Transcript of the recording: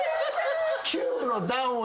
９の段を。